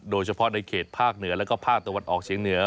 โดยเฉพาะในเขตภาคเหนือแล้วก็ภาคตะวันออกเฉียงเหนือ